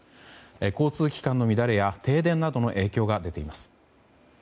交通機関の乱れや停電などの影響が出ています。